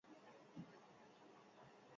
Bereziki erabilera militarra izan dute historian.